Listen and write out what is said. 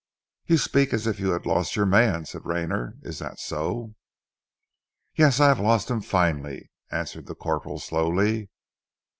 "You speak as if you had lost your man," said Rayner. "Is that so?" "Yes, I have lost him finally," answered the corporal slowly.